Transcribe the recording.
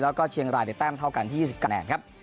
แล้วก็เชียงรายได้แต้มเท่ากันที่๒๐แต่งนะครับ